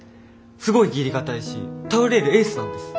すごい義理堅いし頼れるエースなんです。